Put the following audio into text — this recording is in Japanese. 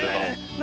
何？